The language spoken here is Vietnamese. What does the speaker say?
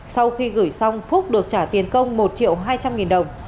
sau khi gửi xong phúc được trả tiền công một triệu hai trăm linh nghìn đồng